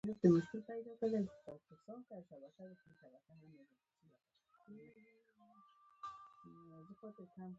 • خندېدل هر غم ته د پای ټکی ږدي.